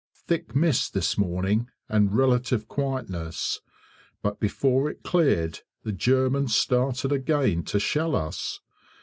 Thick mist this morning, and relative quietness; but before it cleared the Germans started again to shell us.